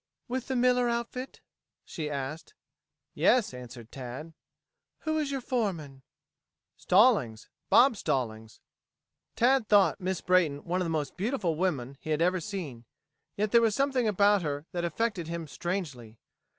"With the Miller outfit?" she asked. "Yes," answered Tad. "Who is your foreman?" "Stallings Bob Stallings." Tad thought Miss Brayton one of the most beautiful women he had ever seen. Yet there was something about her that affected him strangely.